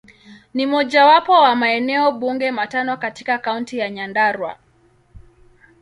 Ni mojawapo wa maeneo bunge matano katika Kaunti ya Nyandarua.